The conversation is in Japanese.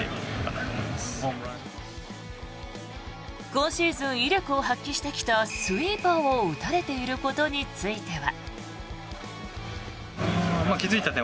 今シーズン威力を発揮してきたスイーパーを打たれていることについては。